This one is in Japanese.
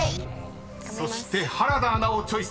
［そして原田アナをチョイス］